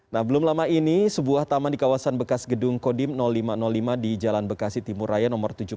nah belum lama ini sebuah taman di kawasan bekas gedung kodim lima ratus lima di jalan bekasi timur raya no tujuh puluh